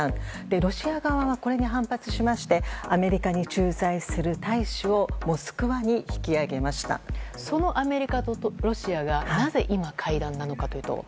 ロシア側はこれに反発しましてアメリカに駐在する大使をそのアメリカとロシアがなぜ今、会談なのかというと？